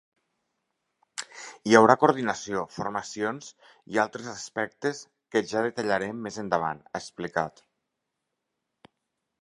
Hi haurà coordinació, formacions i altres aspectes que ja detallarem més endavant, ha explicat.